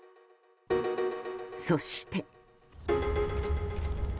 そして。